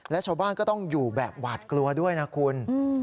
และชาวบ้านก็ต้องอยู่แบบหวาดกลัวด้วยนะคุณ